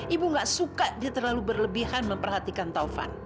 ibu gak suka dia terlalu berlebihan memperhatikan taufan